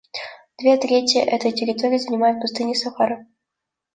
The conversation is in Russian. Две трети этой территории занимает пустыня Сахара.